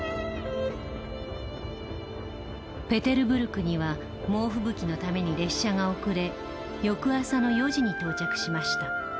「ペテルブルクには猛吹雪のために列車が遅れ翌朝の４時に到着しました。